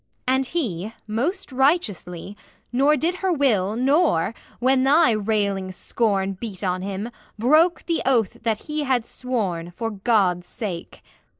And he, most righteously, Nor did her will, nor, when thy railing scorn Beat on him, broke the oath that he had sworn, For God's sake.